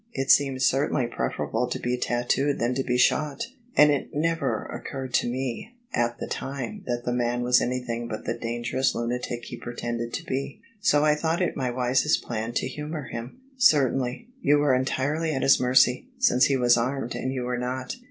It seemed certainly preferable to be tattooed than to be shot: and it never occurred to me at the time that the man was anything but the dangerous lunatic he pretended to be: so I thought it my wisest plan to humour him." " Certainly: you were entirely at his mercy, since he was armed and you were not."